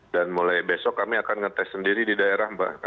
mulai besok kami akan ngetes sendiri di daerah mbak